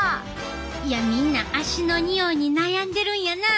いやみんな足のにおいに悩んでるんやな。